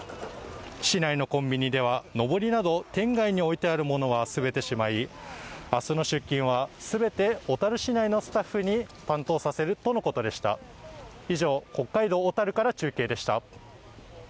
市内のコンビニではのぼりなど店外に置いてあるものは全てしまい、明日の出勤は全て小樽市内のスタッフに担当させるとのことでした。